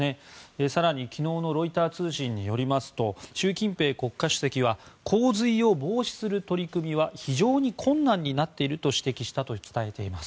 更に、昨日のロイター通信によりますと習近平国家主席は洪水を防止する取り組みは非常に困難になっていると指摘していると伝えています。